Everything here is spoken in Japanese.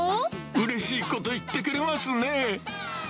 うれしいこと言ってくれますね。